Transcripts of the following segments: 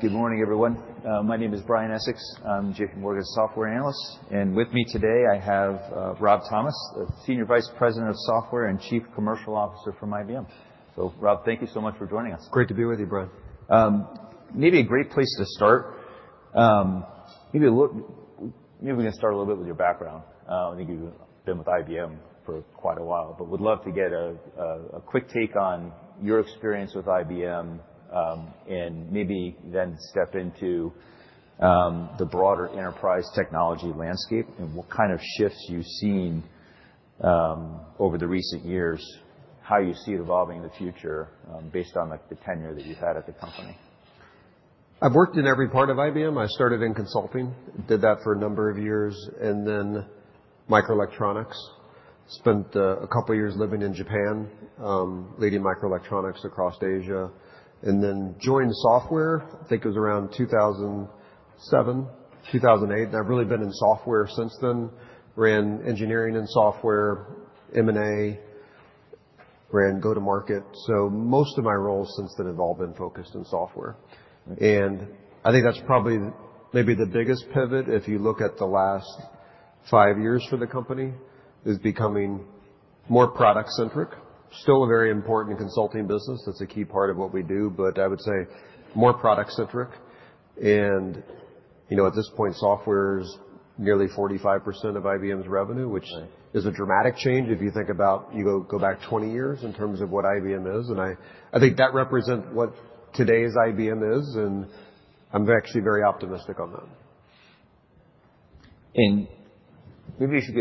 Good morning, everyone. My name is Brian Essex. I am J.P. Morgan's software analyst, with me today I have Rob Thomas, Senior Vice President of Software and Chief Commercial Officer from IBM. Rob, thank you so much for joining us. Great to be with you, Brian. A great place to start, maybe we can start a little bit with your background. I think you have been with IBM for quite a while, would love to get a quick take on your experience with IBM, maybe then step into the broader enterprise technology landscape and what kind of shifts you have seen over the recent years, how you see it evolving in the future based on the tenure that you have had at the company. I have worked in every part of IBM. I started in consulting, did that for a number of years, then microelectronics. Spent a couple of years living in Japan, leading microelectronics across Asia, then joined software, I think it was around 2007, 2008, I have really been in software since then. Ran engineering and software M&A, ran go-to-market. Most of my roles since then have all been focused on software. I think that is probably maybe the biggest pivot if you look at the last five years for the company, is becoming more product centric. Still a very important consulting business, that is a key part of what we do, I would say more product centric. At this point, software is nearly 45% of IBM's revenue- Right which is a dramatic change if you think about go back 20 years in terms of what IBM is. I think that represents what today's IBM is, and I'm actually very optimistic on that. Maybe we should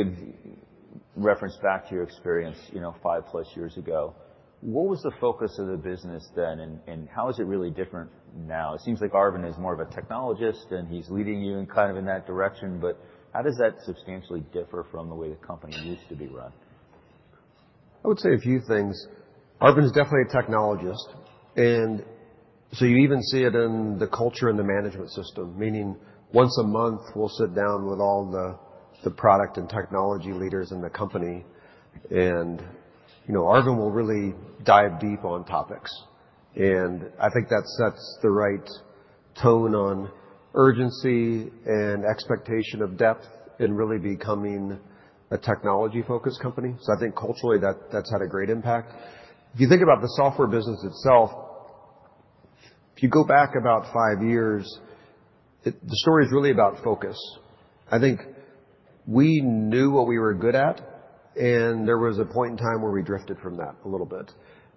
reference back to your experience five-plus years ago. What was the focus of the business then, and how is it really different now? It seems like Arvind is more of a technologist and he's leading you in that direction, but how does that substantially differ from the way the company used to be run? I would say a few things. Arvind's definitely a technologist, and so you even see it in the culture and the management system, meaning once a month we'll sit down with all the product and technology leaders in the company and Arvind will really dive deep on topics. I think that sets the right tone on urgency and expectation of depth in really becoming a technology-focused company. I think culturally that's had a great impact. If you think about the software business itself, if you go back about five years, the story's really about focus. I think we knew what we were good at, and there was a point in time where we drifted from that a little bit.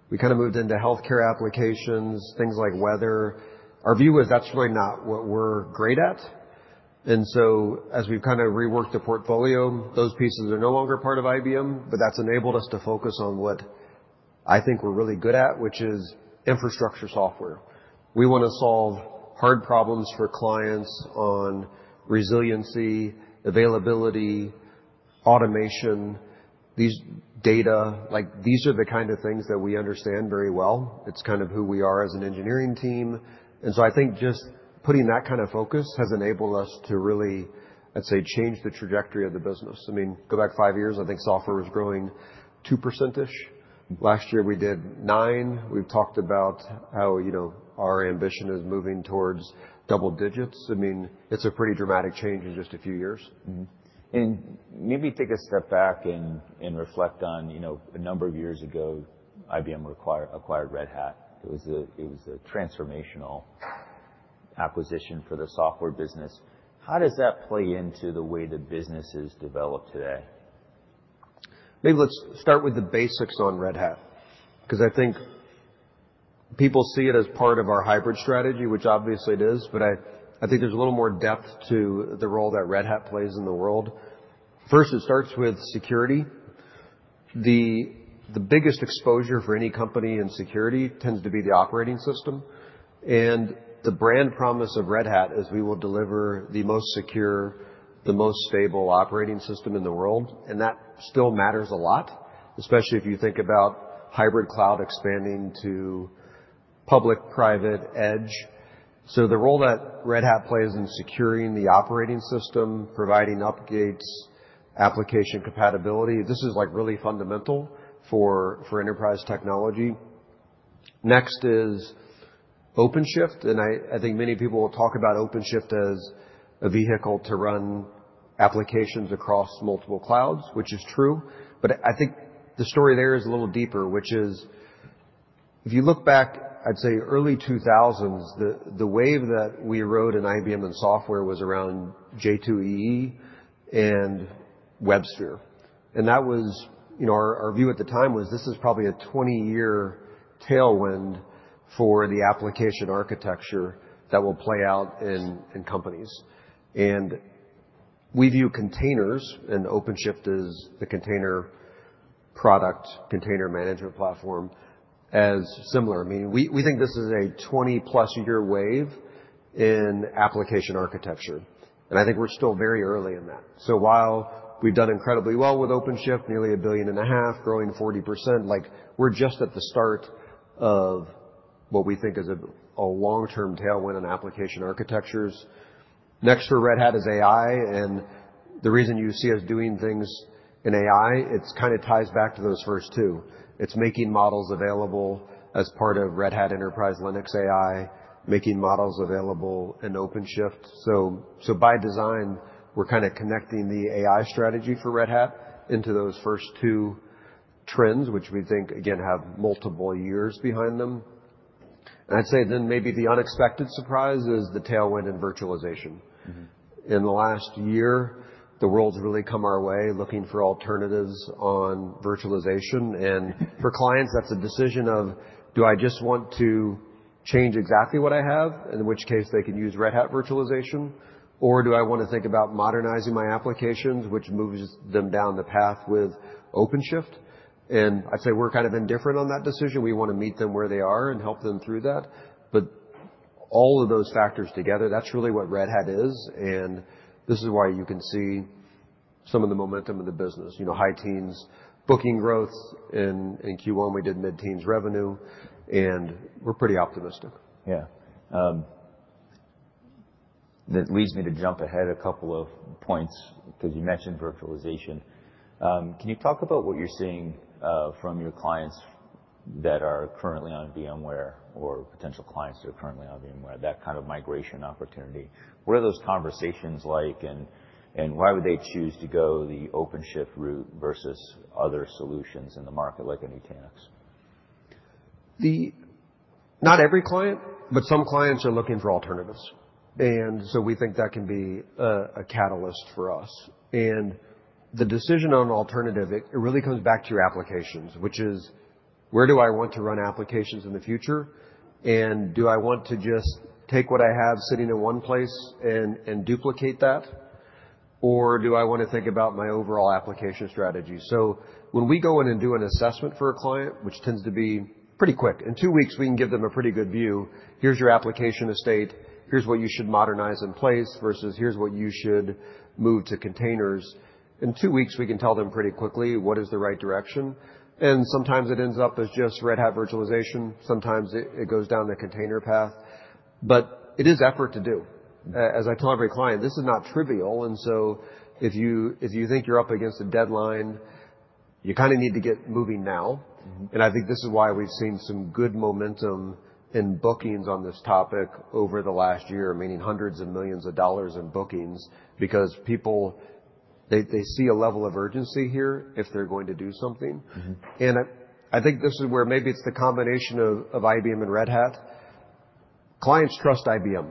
We kind of moved into healthcare applications, things like weather. Our view is that's really not what we're great at, and so as we've kind of reworked the portfolio, those pieces are no longer part of IBM, but that's enabled us to focus on what I think we're really good at, which is infrastructure software. We want to solve hard problems for clients on resiliency, availability, automation, these data. These are the kind of things that we understand very well. It's kind of who we are as an engineering team. I think just putting that kind of focus has enabled us to really, I'd say, change the trajectory of the business. Go back five years, I think software was growing 2%-ish. Last year, we did 9%. We've talked about how our ambition is moving towards double digits. It's a pretty dramatic change in just a few years. Mm-hmm. Maybe take a step back and reflect on a number of years ago, IBM acquired Red Hat. It was a transformational acquisition for the software business. How does that play into the way the business is developed today? Maybe let's start with the basics on Red Hat, because I think people see it as part of our hybrid strategy, which obviously it is, but I think there's a little more depth to the role that Red Hat plays in the world. First, it starts with security. The biggest exposure for any company in security tends to be the operating system, and the brand promise of Red Hat is we will deliver the most secure, the most stable operating system in the world. That still matters a lot, especially if you think about hybrid cloud expanding to public-private edge. The role that Red Hat plays in securing the operating system, providing upgrades, application compatibility, this is really fundamental for enterprise technology. Next is OpenShift, I think many people will talk about OpenShift as a vehicle to run applications across multiple clouds, which is true. I think the story there is a little deeper, which is if you look back, I'd say early 2000s, the wave that we rode in IBM and software was around J2EE and WebSphere. Our view at the time was this is probably a 20-year tailwind for the application architecture that will play out in companies. We view containers, and OpenShift is the container product, container management platform, as similar. We think this is a 20-plus-year wave in application architecture, I think we're still very early in that. While we've done incredibly well with OpenShift, nearly a billion and a half, growing 40%, we're just at the start of what we think is a long-term tailwind in application architectures. Next for Red Hat is AI and The reason you see us doing things in AI, it kind of ties back to those first two. It's making models available as part of Red Hat Enterprise Linux AI, making models available in OpenShift. By design, we're kind of connecting the AI strategy for Red Hat into those first two trends, which we think, again, have multiple years behind them. I'd say then maybe the unexpected surprise is the tailwind in virtualization. In the last year, the world's really come our way, looking for alternatives on virtualization. For clients, that's a decision of, do I just want to change exactly what I have? In which case, they can use Red Hat Virtualization, or do I want to think about modernizing my applications, which moves them down the path with OpenShift? I'd say we're kind of indifferent on that decision. We want to meet them where they are and help them through that. All of those factors together, that's really what Red Hat is, and this is why you can see some of the momentum of the business. High teens booking growth in Q1, we did mid-teens revenue. We're pretty optimistic. Yeah. That leads me to jump ahead a couple of points because you mentioned virtualization. Can you talk about what you're seeing from your clients that are currently on VMware, or potential clients who are currently on VMware, that kind of migration opportunity? What are those conversations like, and why would they choose to go the OpenShift route versus other solutions in the market, like a Nutanix? Not every client, some clients are looking for alternatives. We think that can be a catalyst for us. The decision on an alternative, it really comes back to your applications, which is where do I want to run applications in the future, and do I want to just take what I have sitting in one place and duplicate that, or do I want to think about my overall application strategy? When we go in and do an assessment for a client, which tends to be pretty quick. In two weeks, we can give them a pretty good view. Here's your application estate. Here's what you should modernize in place versus here's what you should move to containers. In two weeks, we can tell them pretty quickly what is the right direction, and sometimes it ends up as just Red Hat Virtualization. Sometimes it goes down the container path. It is effort to do. As I tell every client, this is not trivial. If you think you're up against a deadline, you kind of need to get moving now. I think this is why we've seen some good momentum in bookings on this topic over the last year, meaning $hundreds of millions in bookings because people, they see a level of urgency here if they're going to do something. I think this is where maybe it's the combination of IBM and Red Hat. Clients trust IBM,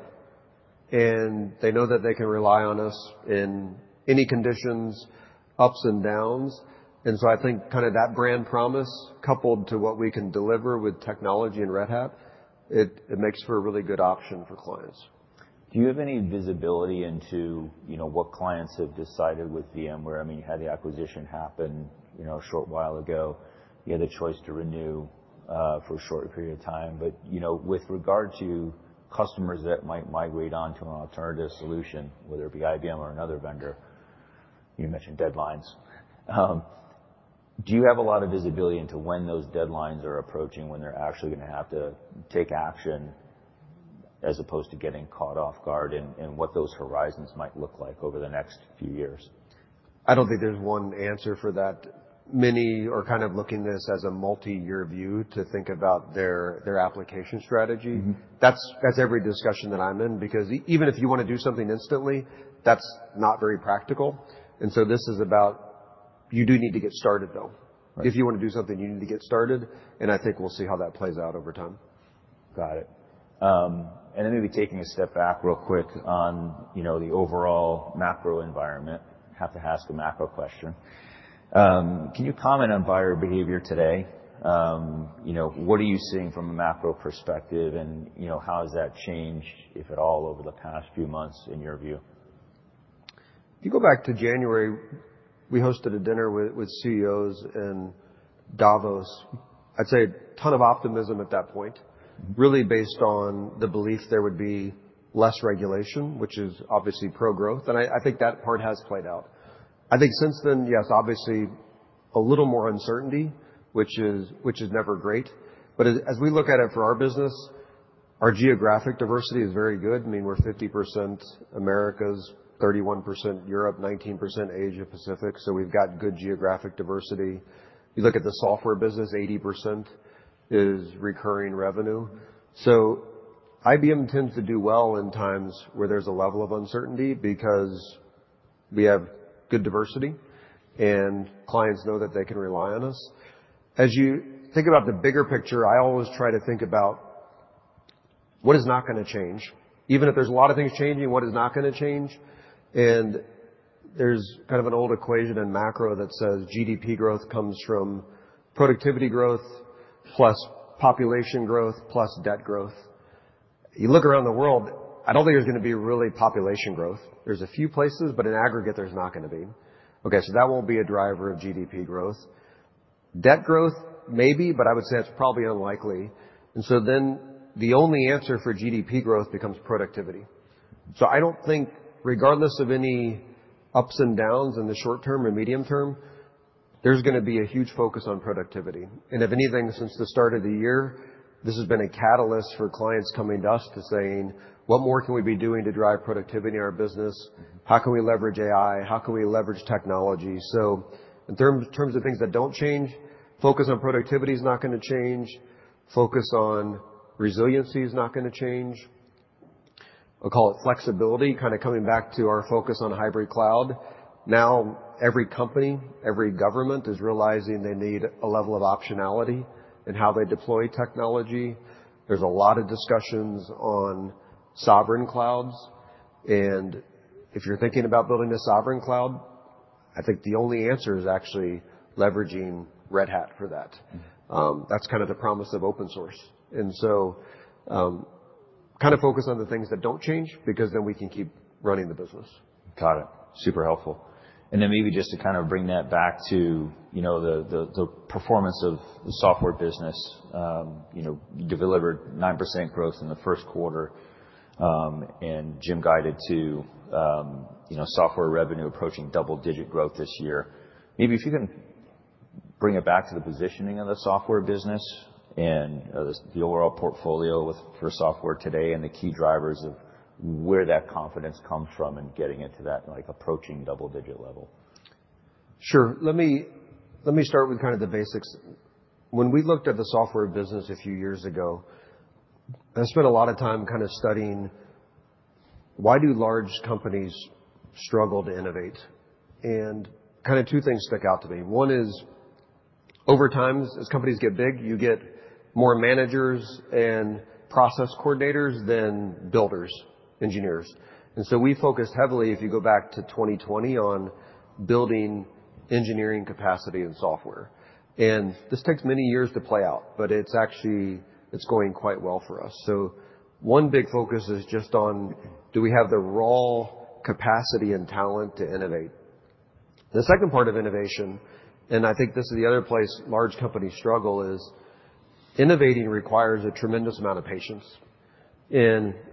and they know that they can rely on us in any conditions, ups and downs. I think kind of that brand promise, coupled to what we can deliver with technology and Red Hat, it makes for a really good option for clients. Do you have any visibility into what clients have decided with VMware? You had the acquisition happen a short while ago. You had a choice to renew for a short period of time. With regard to customers that might migrate onto an alternative solution, whether it be IBM or another vendor, you mentioned deadlines. Do you have a lot of visibility into when those deadlines are approaching, when they're actually going to have to take action as opposed to getting caught off guard and what those horizons might look like over the next few years? I don't think there's one answer for that. Many are kind of looking at this as a multi-year view to think about their application strategy. That's every discussion that I'm in, because even if you want to do something instantly, that's not very practical. This is about you do need to get started, though. Right. If you want to do something, you need to get started, and I think we'll see how that plays out over time. Got it. Maybe taking a step back real quick on the overall macro environment, have to ask a macro question. Can you comment on buyer behavior today? What are you seeing from a macro perspective, and how has that changed, if at all, over the past few months in your view? If you go back to January, we hosted a dinner with CEOs in Davos. I'd say a ton of optimism at that point. really based on the belief there would be less regulation, which is obviously pro-growth, and I think that part has played out. I think since then, yes, obviously a little more uncertainty, which is never great. As we look at it for our business, our geographic diversity is very good. We're 50% Americas, 31% Europe, 19% Asia-Pacific, so we've got good geographic diversity. You look at the software business, 80% is recurring revenue. IBM tends to do well in times where there's a level of uncertainty because we have good diversity, and clients know that they can rely on us. As you think about the bigger picture, I always try to think about what is not going to change. Even if there's a lot of things changing, what is not going to change? There's kind of an old equation in macro that says GDP growth comes from productivity growth plus population growth plus debt growth. You look around the world, I don't think there's going to be really population growth. There's a few places, but in aggregate, there's not going to be. That won't be a driver of GDP growth. Debt growth, maybe, but I would say that's probably unlikely. The only answer for GDP growth becomes productivity. I don't think, regardless of any ups and downs in the short term or medium term. There's going to be a huge focus on productivity. If anything, since the start of the year, this has been a catalyst for clients coming to us to saying, "What more can we be doing to drive productivity in our business? How can we leverage AI? How can we leverage technology?" In terms of things that don't change, focus on productivity is not going to change. Focus on resiliency is not going to change. I'll call it flexibility, kind of coming back to our focus on hybrid cloud. Now, every company, every government is realizing they need a level of optionality in how they deploy technology. There's a lot of discussions on sovereign clouds. If you're thinking about building a sovereign cloud, I think the only answer is actually leveraging Red Hat for that. That's kind of the promise of open source. Focus on the things that don't change, because then we can keep running the business. Got it. Super helpful. Maybe just to kind of bring that back to the performance of the software business. You delivered 9% growth in the first quarter, and Jim guided to software revenue approaching double-digit growth this year. Maybe if you can bring it back to the positioning of the software business and the overall portfolio for software today, and the key drivers of where that confidence comes from in getting it to that approaching double-digit level. Sure. Let me start with kind of the basics. When we looked at the software business a few years ago, I spent a lot of time kind of studying why do large companies struggle to innovate? Two things stuck out to me. One is, over time, as companies get big, you get more managers and process coordinators than builders, engineers. We focused heavily, if you go back to 2020, on building engineering capacity and software. This takes many years to play out, but it's actually going quite well for us. One big focus is just on, do we have the raw capacity and talent to innovate? The second part of innovation, I think this is the other place large companies struggle, is innovating requires a tremendous amount of patience.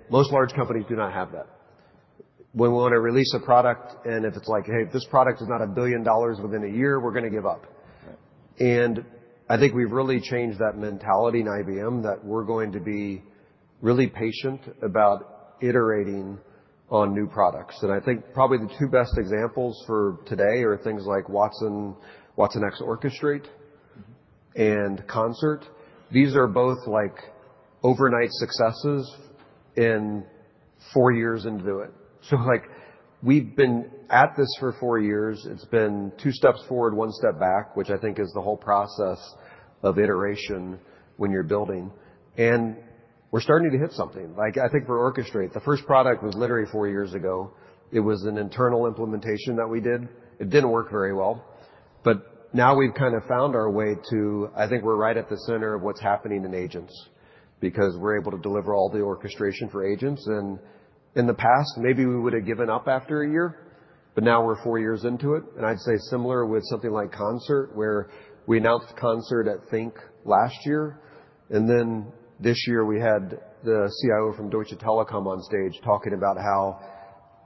Most large companies do not have that. We want to release a product, if it's like, "Hey, if this product is not $1 billion within a year, we're going to give up. Right. I think we've really changed that mentality in IBM that we're going to be really patient about iterating on new products. I think probably the two best examples for today are things like watsonx Orchestrate and Concert. These are both overnight successes in 4 years into it. We've been at this for 4 years. It's been two steps forward, one step back, which I think is the whole process of iteration when you're building. We're starting to hit something. I think for Orchestrate, the first product was literally 4 years ago. It was an internal implementation that we did. It didn't work very well. Now we've kind of found our way to, I think we're right at the center of what's happening in agents, because we're able to deliver all the orchestration for agents. In the past, maybe we would've given up after a year, now we're 4 years into it. I'd say similar with something like Concert, where we announced Concert at Think last year. This year, we had the CIO from Deutsche Telekom on stage talking about how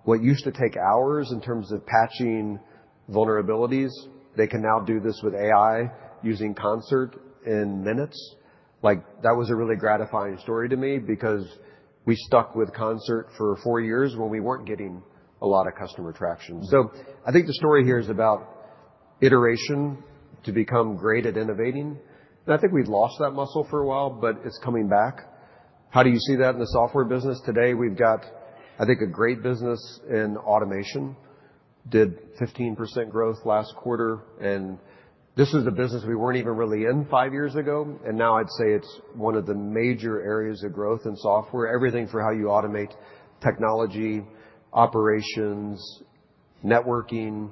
what used to take hours in terms of patching vulnerabilities, they can now do this with AI using Concert in minutes. That was a really gratifying story to me, because we stuck with Concert for 4 years when we weren't getting a lot of customer traction. I think the story here is about iteration to become great at innovating. I think we've lost that muscle for a while, but it's coming back. How do you see that in the software business today? We've got, I think, a great business in automation. Did 15% growth last quarter. This is a business we weren't even really in 5 years ago. Now I'd say it's one of the major areas of growth in software. Everything for how you automate technology, operations, networking,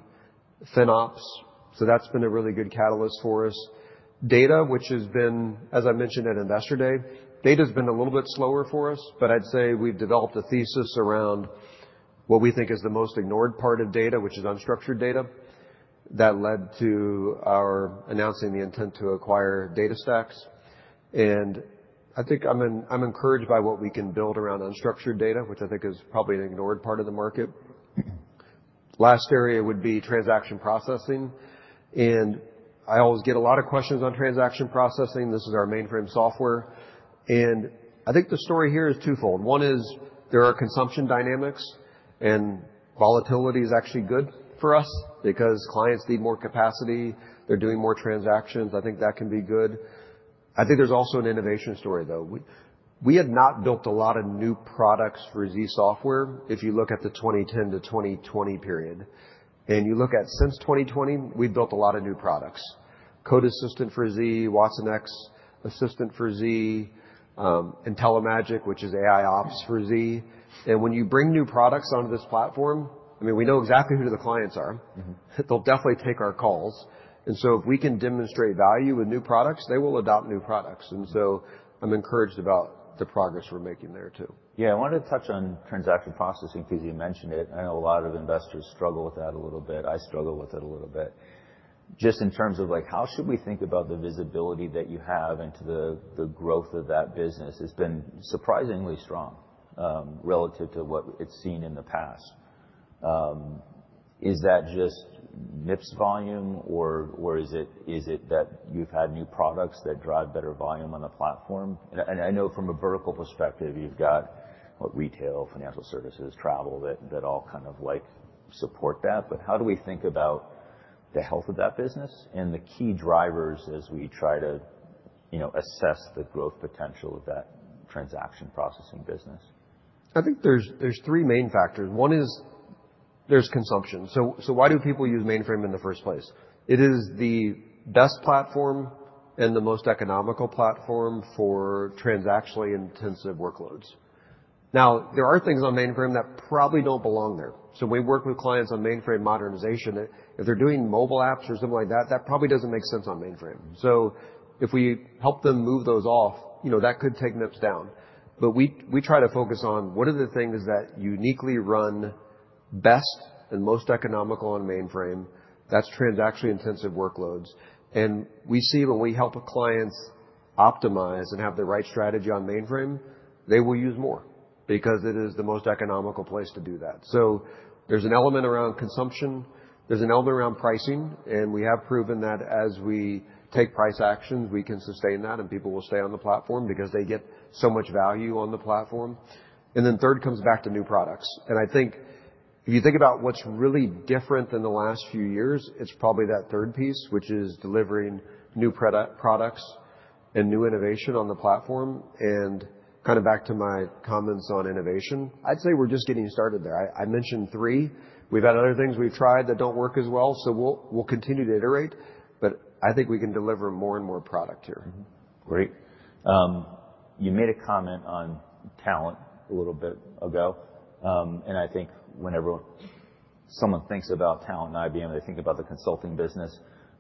FinOps. That's been a really good catalyst for us. Data, which has been, as I mentioned at Investor Day, data's been a little bit slower for us, but I'd say we've developed a thesis around what we think is the most ignored part of data, which is unstructured data. That led to our announcing the intent to acquire DataStax. I think I'm encouraged by what we can build around unstructured data, which I think is probably an ignored part of the market. Last area would be transaction processing. I always get a lot of questions on transaction processing. This is our mainframe software. I think the story here is twofold. One is there are consumption dynamics, and volatility is actually good for us because clients need more capacity. They're doing more transactions. I think that can be good. I think there's also an innovation story, though. We had not built a lot of new products for Z software if you look at the 2010 to 2020 period. You look at since 2020, we've built a lot of new products. Code Assistant for Z, watsonx Assistant for Z, IntelliMagic, which is AIOps for Z. When you bring new products onto this platform, we know exactly who the clients are. They'll definitely take our calls. If we can demonstrate value with new products, they will adopt new products. I'm encouraged about the progress we're making there, too. Yeah. I wanted to touch on transaction processing because you mentioned it. I know a lot of investors struggle with that a little bit. I struggle with it a little bit. Just in terms of how should we think about the visibility that you have into the growth of that business? It's been surprisingly strong, relative to what it's seen in the past. Is that just MIPS volume, or is it that you've had new products that drive better volume on the platform? I know from a vertical perspective, you've got retail, financial services, travel, that all kind of support that. How do we think about the health of that business and the key drivers as we try to assess the growth potential of that transaction processing business? I think there are three main factors. One is there's consumption. Why do people use mainframe in the first place? It is the best platform and the most economical platform for transactionally intensive workloads. Now, there are things on mainframe that probably don't belong there. We work with clients on mainframe modernization. If they're doing mobile apps or something like that probably doesn't make sense on mainframe. If we help them move those off, that could take MIPS down. We try to focus on what are the things that uniquely run best and most economical on mainframe. That's transactionally intensive workloads. We see when we help our clients optimize and have the right strategy on mainframe, they will use more because it is the most economical place to do that. There's an element around consumption, there's an element around pricing, and we have proven that as we take price actions, we can sustain that, and people will stay on the platform because they get so much value on the platform. Then third comes back to new products. I think if you think about what's really different than the last few years, it's probably that third piece, which is delivering new products and new innovation on the platform. Back to my comments on innovation, I'd say we're just getting started there. I mentioned three. We've had other things we've tried that don't work as well, we'll continue to iterate, but I think we can deliver more and more product here. Great. You made a comment on talent a little bit ago, I think whenever someone thinks about talent and IBM, they think about the consulting business.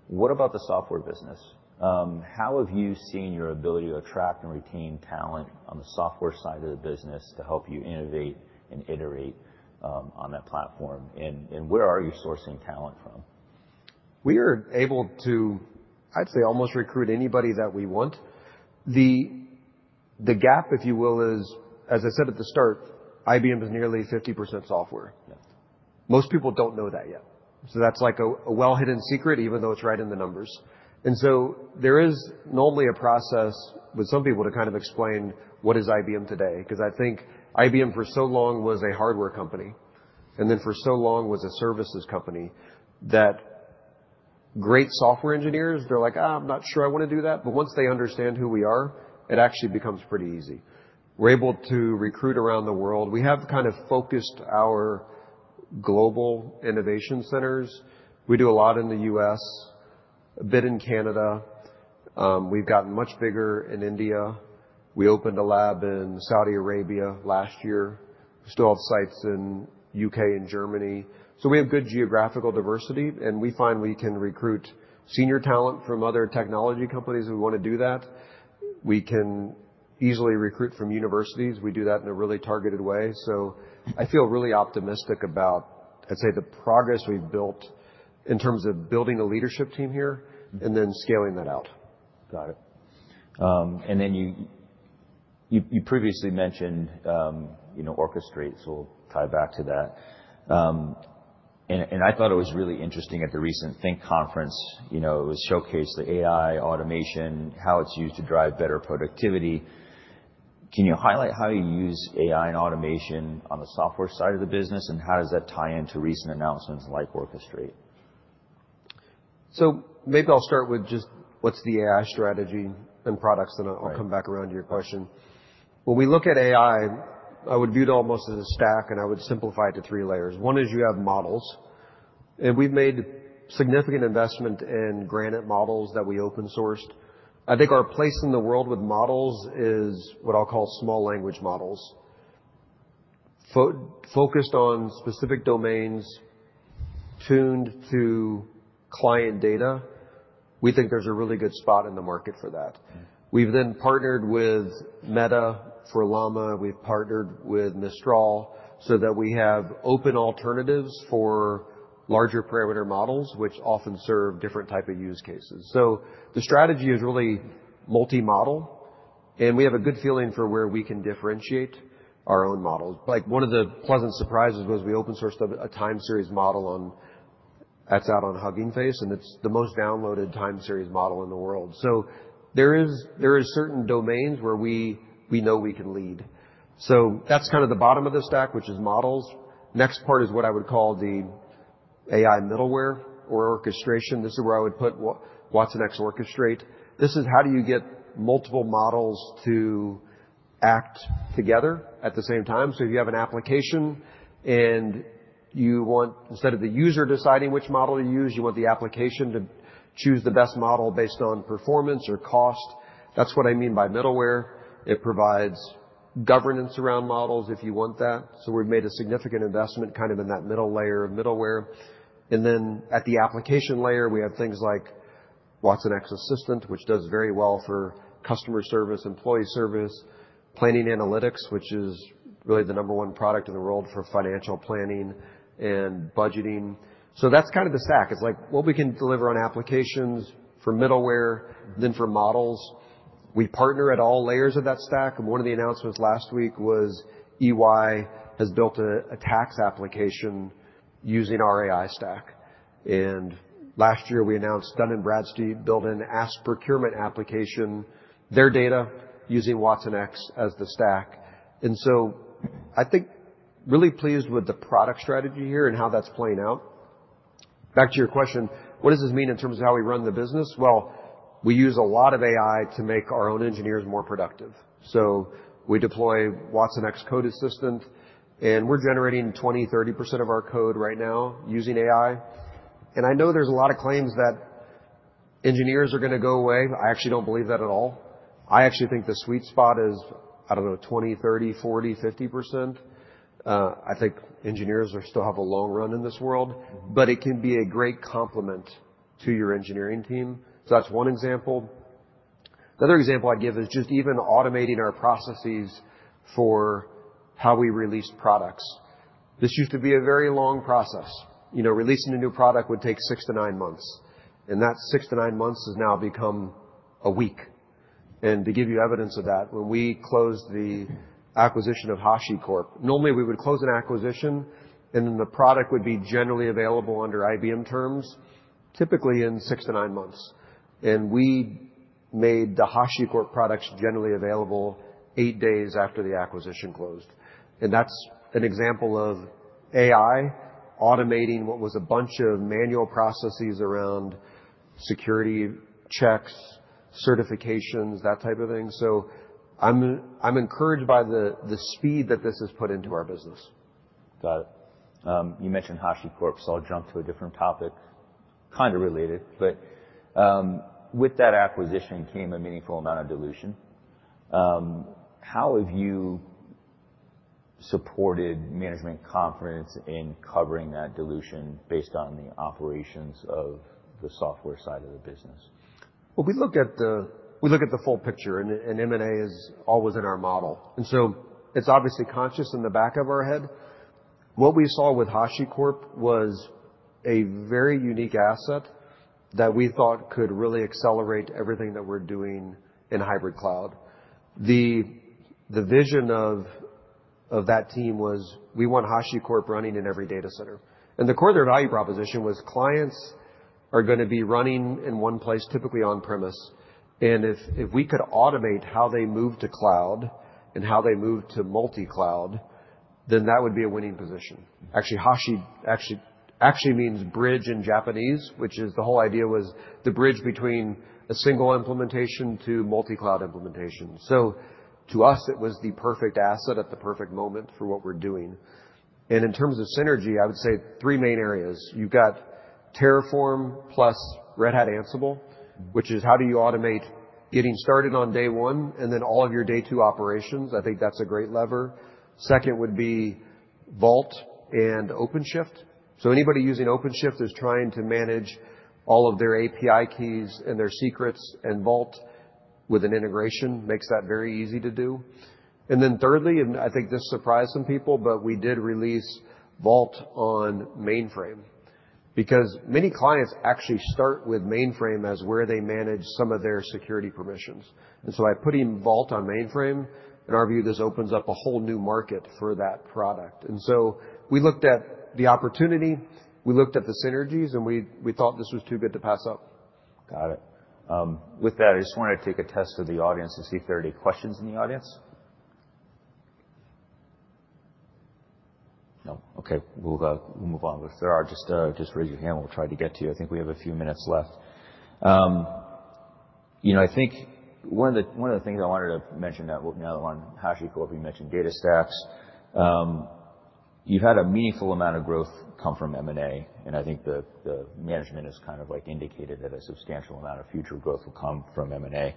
What about the software business? How have you seen your ability to attract and retain talent on the software side of the business to help you innovate and iterate on that platform? Where are you sourcing talent from? We are able to, I'd say, almost recruit anybody that we want. The gap, if you will, is, as I said at the start, IBM is nearly 50% software. Yeah. Most people don't know that yet. That's like a well-hidden secret, even though it's right in the numbers. There is normally a process with some people to kind of explain what is IBM today, because I think IBM for so long was a hardware company, and then for so long was a services company, that great software engineers, they're like, "I'm not sure I want to do that." Once they understand who we are, it actually becomes pretty easy. We're able to recruit around the world. We have kind of focused our global innovation centers. We do a lot in the U.S., a bit in Canada. We've gotten much bigger in India. We opened a lab in Saudi Arabia last year. We still have sites in U.K. and Germany. We have good geographical diversity, and we find we can recruit senior talent from other technology companies who want to do that. We can easily recruit from universities. We do that in a really targeted way. I feel really optimistic about, I'd say, the progress we've built in terms of building a leadership team here and then scaling that out. Got it. You previously mentioned Orchestrate, so we'll tie back to that. I thought it was really interesting at the recent Think conference. It was showcased the AI automation, how it's used to drive better productivity. Can you highlight how you use AI and automation on the software side of the business, and how does that tie into recent announcements like Orchestrate? Maybe I'll start with just what's the AI strategy and products. Right I'll come back around to your question. When we look at AI, I would view it almost as a stack, and I would simplify it to three layers. One is you have models. We've made significant investment in Granite models that we open sourced. I think our place in the world with models is what I'll call small language models, focused on specific domains, tuned to client data. We think there's a really good spot in the market for that. We've partnered with Meta for Llama. We've partnered with Mistral so that we have open alternatives for larger parameter models, which often serve different type of use cases. The strategy is really multi-model, and we have a good feeling for where we can differentiate our own models. One of the pleasant surprises was we open sourced a time series model that's out on Hugging Face, and it's the most downloaded time series model in the world. There are certain domains where we know we can lead. That's kind of the bottom of the stack, which is models. Next part is what I would call the AI middleware or orchestration. This is where I would put watsonx Orchestrate. This is how do you get multiple models to act together at the same time. If you have an application and you want, instead of the user deciding which model to use, you want the application to choose the best model based on performance or cost. That's what I mean by middleware. It provides governance around models if you want that. We've made a significant investment kind of in that middle layer of middleware. At the application layer, we have things like watsonx Assistant, which does very well for customer service, employee service, Planning Analytics, which is really the number one product in the world for financial planning and budgeting. That's kind of the stack. It's like what we can deliver on applications for middleware than for models. We partner at all layers of that stack, and one of the announcements last week was EY has built a tax application using our AI stack. Last year, we announced Dun & Bradstreet built an ASP procurement application, their data, using watsonx as the stack. I think really pleased with the product strategy here and how that's playing out. Back to your question, what does this mean in terms of how we run the business? Well, we use a lot of AI to make our own engineers more productive. We deploy watsonx Code Assistant, and we're generating 20%-30% of our code right now using AI. I know there's a lot of claims that engineers are going to go away. I actually don't believe that at all. I actually think the sweet spot is, I don't know, 20%, 30%, 40%, 50%. I think engineers still have a long run in this world, but it can be a great complement to your engineering team. That's one example. Another example I'd give is just even automating our processes for how we release products. This used to be a very long process. Releasing a new product would take six to nine months, and that six to nine months has now become a week. To give you evidence of that, when we closed the acquisition of HashiCorp, normally, we would close an acquisition, then the product would be generally available under IBM terms, typically in six to nine months. We made the HashiCorp products generally available eight days after the acquisition closed. That's an example of AI automating what was a bunch of manual processes around security checks, certifications, that type of thing. I'm encouraged by the speed that this has put into our business. Got it. You mentioned HashiCorp, I'll jump to a different topic, kind of related, but with that acquisition came a meaningful amount of dilution. How have you supported management confidence in covering that dilution based on the operations of the software side of the business? Well, we look at the full picture, M&A is always in our model, it's obviously conscious in the back of our head. What we saw with HashiCorp was a very unique asset that we thought could really accelerate everything that we're doing in hybrid cloud. The vision of that team was we want HashiCorp running in every data center. The core of their value proposition was clients are going to be running in one place, typically on premise, if we could automate how they move to cloud and how they move to multi-cloud, that would be a winning position. Actually, Hashi actually means bridge in Japanese, which is the whole idea was the bridge between a single implementation to multi-cloud implementation. To us, it was the perfect asset at the perfect moment for what we're doing. In terms of synergy, I would say three main areas. You've got Terraform plus Red Hat Ansible, which is how do you automate getting started on day one all of your day two operations. I think that's a great lever. Second would be Vault and OpenShift. Anybody using OpenShift is trying to manage all of their API keys and their secrets, Vault with an integration makes that very easy to do. Thirdly, I think this surprised some people, we did release Vault on mainframe because many clients actually start with mainframe as where they manage some of their security permissions. By putting Vault on mainframe, in our view, this opens up a whole new market for that product. We looked at the opportunity, we looked at the synergies, and we thought this was too good to pass up. Got it. With that, I just wanted to take a test of the audience to see if there are any questions in the audience. No. Okay. We'll move on, but if there are, just raise your hand and we'll try to get to you. I think we have a few minutes left. I think one of the things I wanted to mention now on HashiCorp, you mentioned DataStax. You've had a meaningful amount of growth come from M&A, and I think the management has kind of indicated that a substantial amount of future growth will come from M&A.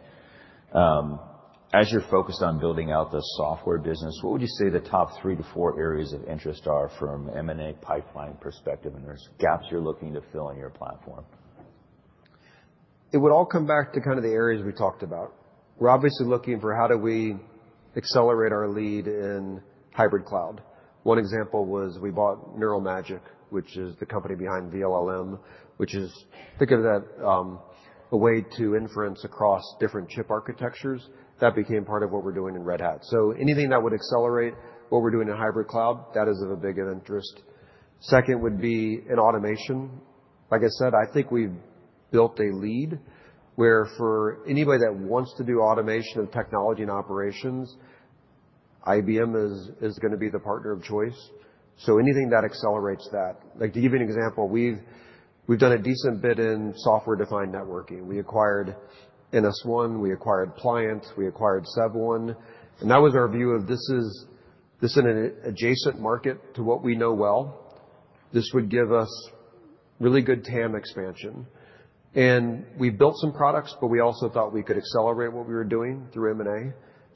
As you're focused on building out the software business, what would you say the top three to four areas of interest are from M&A pipeline perspective, and there's gaps you're looking to fill in your platform? It would all come back to kind of the areas we talked about. We're obviously looking for how do we accelerate our lead in hybrid cloud. One example was we bought Neural Magic, which is the company behind vLLM, which is, think of that, a way to inference across different chip architectures. That became part of what we're doing in Red Hat. Anything that would accelerate what we're doing in hybrid cloud, that is of a big interest. Second would be in automation. Like I said, I think we've built a lead where for anybody that wants to do automation of technology and operations, IBM is going to be the partner of choice. Anything that accelerates that. To give you an example, we've done a decent bit in software-defined networking. We acquired NS1, we acquired Pliant, we acquired SevOne. That was our view of this in an adjacent market to what we know well. This would give us really good TAM expansion. We built some products, but we also thought we could accelerate what we were doing through M&A.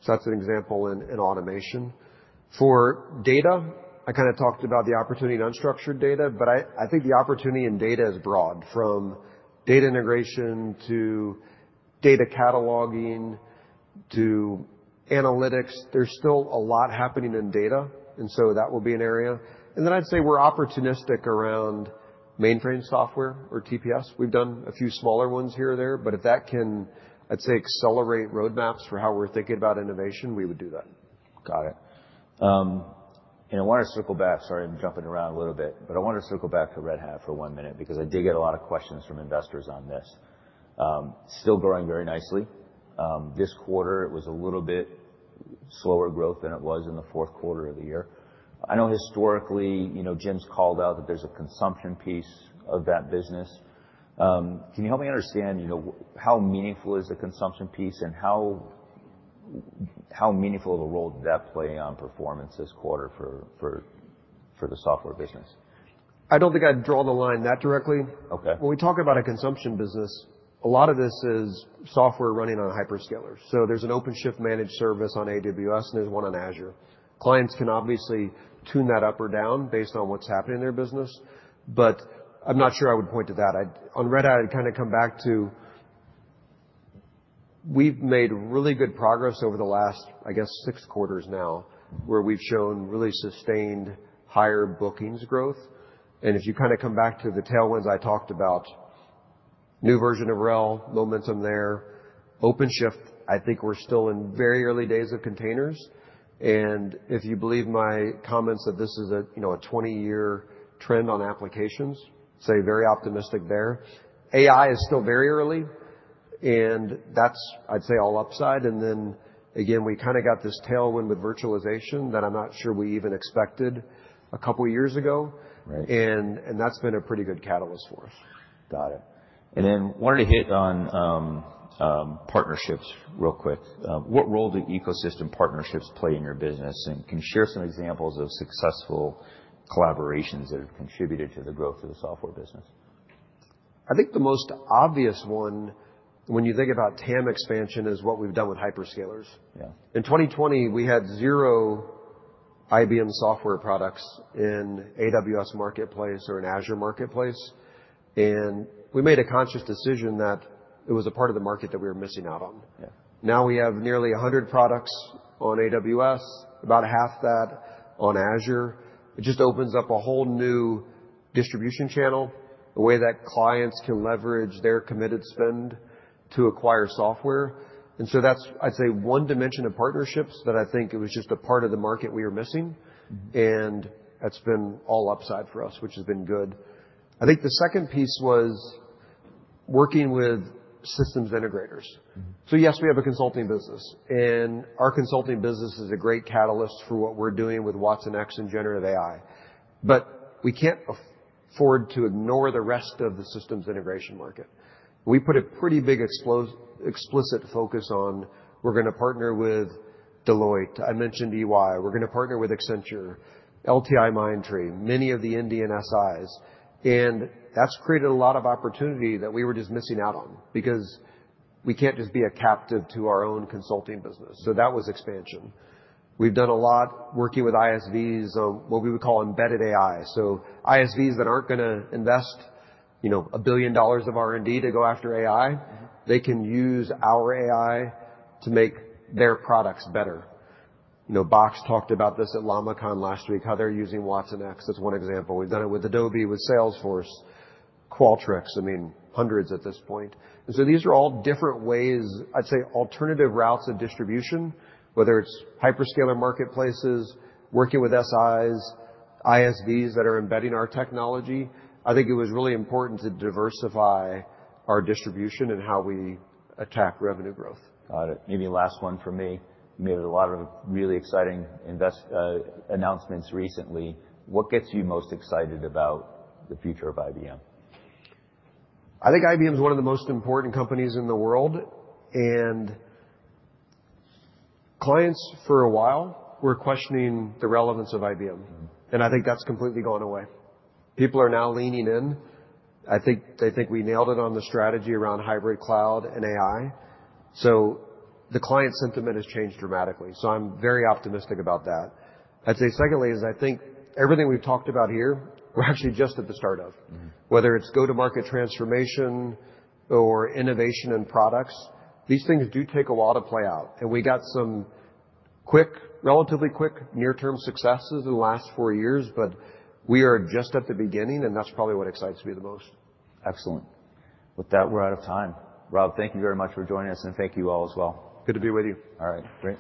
That's an example in automation. For data, I kind of talked about the opportunity in unstructured data, but I think the opportunity in data is broad, from data integration to data cataloging to analytics. There's still a lot happening in data. That will be an area. Then I'd say we're opportunistic around mainframe software or TPS. We've done a few smaller ones here or there, but if that can, let's say, accelerate roadmaps for how we're thinking about innovation, we would do that. Got it. I want to circle back. Sorry, I'm jumping around a little bit. I wanted to circle back to Red Hat for one minute because I did get a lot of questions from investors on this. Still growing very nicely. This quarter, it was a little bit slower growth than it was in the fourth quarter of the year. I know historically, Jim's called out that there's a consumption piece of that business. Can you help me understand, how meaningful is the consumption piece and how meaningful of a role did that play on performance this quarter for the software business? I don't think I'd draw the line that directly. Okay. When we talk about a consumption business, a lot of this is software running on a hyperscaler. There's an OpenShift managed service on AWS, and there's one on Azure. Clients can obviously tune that up or down based on what's happening in their business. I'm not sure I would point to that. On Red Hat, I'd come back to, we've made really good progress over the last, I guess, six quarters now, where we've shown really sustained higher bookings growth. If you come back to the tailwinds I talked about, new version of RHEL, momentum there. OpenShift, I think we're still in very early days of containers, and if you believe my comments that this is a 20-year trend on applications, say very optimistic there. AI is still very early. That's, I'd say, all upside. Again, we kind of got this tailwind with virtualization that I'm not sure we even expected a couple of years ago. Right. That's been a pretty good catalyst for us. Got it. Then wanted to hit on partnerships real quick. What role do ecosystem partnerships play in your business? Can you share some examples of successful collaborations that have contributed to the growth of the software business? I think the most obvious one, when you think about TAM expansion, is what we've done with hyperscalers. Yeah. In 2020, we had zero IBM software products in AWS Marketplace or in Azure Marketplace, we made a conscious decision that it was a part of the market that we were missing out on. Yeah. We have nearly 100 products on AWS, about half that on Azure. It just opens up a whole new distribution channel, a way that clients can leverage their committed spend to acquire software. That's, I'd say, one dimension of partnerships that I think it was just a part of the market we were missing. That's been all upside for us, which has been good. I think the second piece was working with Systems Integrators. Yes, we have a consulting business, and our consulting business is a great catalyst for what we're doing with watsonx and generative AI. We can't afford to ignore the rest of the systems integration market. We put a pretty big explicit focus on we're going to partner with Deloitte. I mentioned EY. We're going to partner with Accenture, LTIMindtree, many of the Indian SIs. That's created a lot of opportunity that we were just missing out on because we can't just be a captive to our own consulting business. That was expansion. We've done a lot working with ISVs on what we would call embedded AI. ISVs that aren't going to invest $1 billion of R&D to go after AI, they can use our AI to make their products better. Box talked about this at LlamaCon last week, how they're using watsonx as one example. We've done it with Adobe, with Salesforce, Qualtrics, hundreds at this point. These are all different ways, I'd say alternative routes of distribution, whether it's hyperscaler marketplaces, working with SIs, ISVs that are embedding our technology. I think it was really important to diversify our distribution and how we attack revenue growth. Got it. Maybe last one from me. You made a lot of really exciting invest announcements recently. What gets you most excited about the future of IBM? I think IBM's one of the most important companies in the world. Clients for a while were questioning the relevance of IBM, and I think that's completely gone away. People are now leaning in. I think they think we nailed it on the strategy around hybrid cloud and AI. The client sentiment has changed dramatically, so I'm very optimistic about that. I'd say secondly is I think everything we've talked about here, we're actually just at the start of. Whether it's go-to-market transformation or innovation and products, these things do take a while to play out, and we got some relatively quick near-term successes in the last four years, but we are just at the beginning, and that's probably what excites me the most. Excellent. With that, we're out of time. Rob, thank you very much for joining us, and thank you all as well. Good to be with you. All right, great.